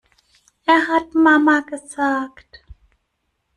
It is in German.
Er hat Mama gesagt!